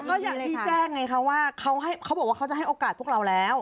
ก็อย่างที่แจ้งไงคะว่าเขาบอกว่าเขาจะให้โอกาสพวกเราแล้ว